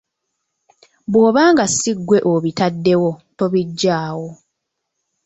Bw’oba nga si gwe obitaddewo, tobiggyaawo.